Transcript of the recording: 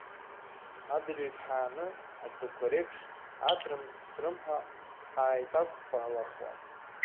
Адырҩегьых ҳааны, ацыгәқәа реиԥш атрым-срымҳәа хаиҭақәԥалахуан.